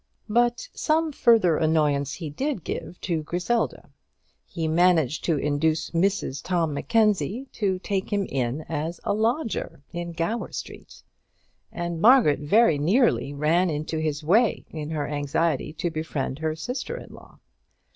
But some further annoyance he did give to Griselda. He managed to induce Mrs Tom Mackenzie to take him in as a lodger in Gower Street, and Margaret very nearly ran into his way in her anxiety to befriend her sister in law.